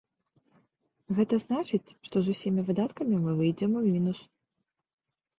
Гэта значыць, што з усімі выдаткамі мы выйдзем у мінус.